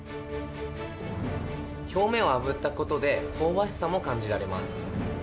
表面をあぶったことで、香ばしさも感じられます。